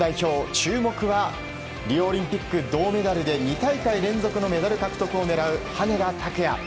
注目は、リオオリンピック銅メダルで２大会連続のメダル獲得を狙う羽根田卓也。